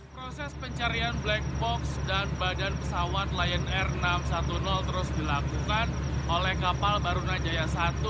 proses pencarian black box dan badan pesawat lion air enam ratus sepuluh terus dilakukan oleh kapal barunajaya satu